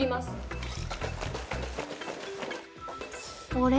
あれ？